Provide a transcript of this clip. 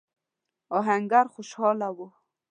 آهنګر خوشاله و.